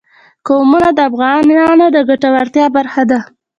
قومونه د افغانانو د ګټورتیا برخه ده.